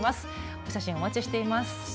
お写真お待ちしています。